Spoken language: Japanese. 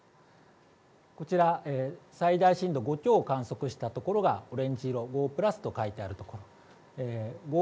こちら最大震度５強を観測した所がオレンジ色５プラスと書いてあるところ。